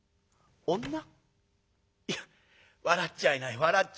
いや笑っちゃいない笑っちゃいない。